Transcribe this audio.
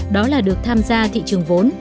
đó là được tham gia thị trường vốn